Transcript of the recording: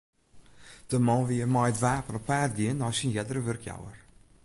De man wie mei it wapen op paad gien nei syn eardere wurkjouwer.